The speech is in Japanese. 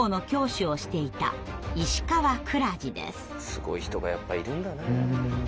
すごい人がやっぱりいるんだね。